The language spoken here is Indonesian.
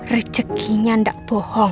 rezekinya enggak bohong